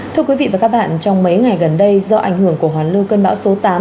thưa quý vị và các bạn trong mấy ngày gần đây do ảnh hưởng của hoàn lưu cơn bão số tám